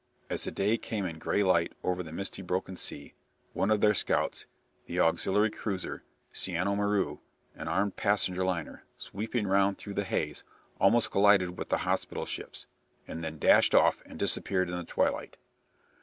As the day came in grey light over the misty broken sea, one of their scouts, the auxiliary cruiser "Siano Maru" (an armed passenger liner), sweeping round through the haze, almost collided with the hospital ships, and then dashed off and disappeared in the twilight.